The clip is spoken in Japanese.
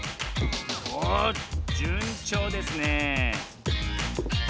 おじゅんちょうですねえ